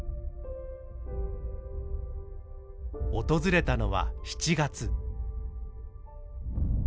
訪れたのは７月。